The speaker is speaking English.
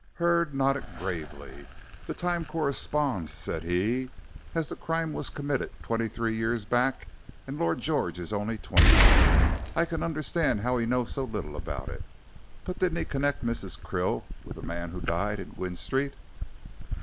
Hurd nodded gravely. "The time corresponds," said he. "As the crime was committed twenty three years back and Lord George is only twenty, I can understand how he knows so little about it. But didn't he connect Mrs. Krill with the man who died in Gwynne Street?"